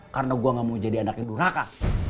karena gue gak mau jadi anak yang duraka